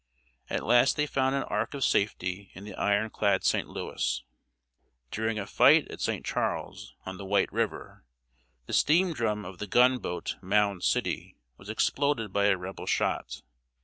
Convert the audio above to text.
At last they found an ark of safety in the iron clad St. Louis. During a fight at St. Charles, on the White River, the steam drum of the gun boat Mound City was exploded by a Rebel shot.